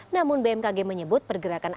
namun bmkg menyebut pergerakan